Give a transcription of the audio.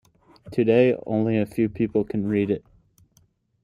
Today only a few people can read it.